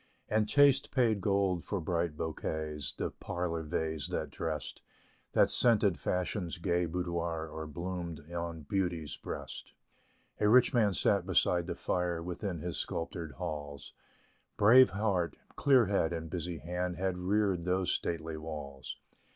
And Taste paid gold for bright bouquets, The parlor vase that drest, That scented Fashion's gay boudoir, Or bloomed on Beauty's breast. A rich man sat beside the fire, Within his sculptured halls; Brave heart, clear head, and busy hand, Had reared those stately walls.